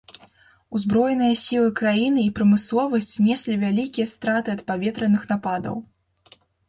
Узброеныя сілы краіны і прамысловасць неслі вялікія страты ад паветраных нападаў.